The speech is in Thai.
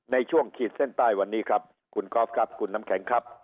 ขีดเส้นใต้วันนี้ครับคุณกอล์ฟครับคุณน้ำแข็งครับ